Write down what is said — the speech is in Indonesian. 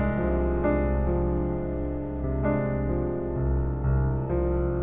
malin jangan lupa